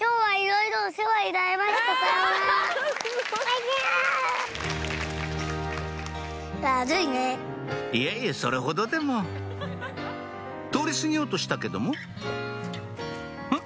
いえいえそれほどでも通り過ぎようとしたけどもん？